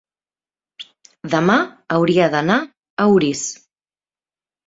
demà hauria d'anar a Orís.